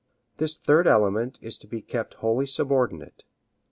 This third element is to be kept wholly subordinate.